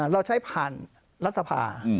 เราใช้ผ่านรัฐสภา